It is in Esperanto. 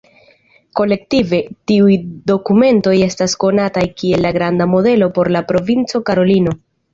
Kolektive, tiuj dokumentoj estas konataj kiel la Granda Modelo por la Provinco Karolino.